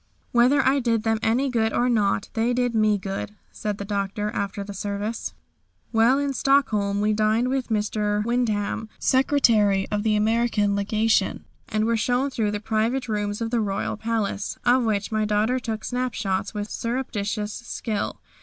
"Whether I did them any good or not they did me good," said the Doctor after the service. While in Stockholm we dined with Mr. Wyndham, Secretary of the American Legation, and were shown through the private rooms of the royal palace, of which my daughter took snapshots with surreptitious skill.